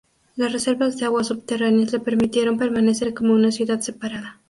Las reservas de aguas subterráneas le permitieron permanecer como una ciudad separada.